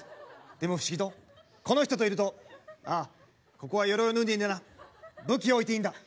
でも不思議とこの人といるとああここはよろいを脱いでいいんだな武器を置いていいんだ。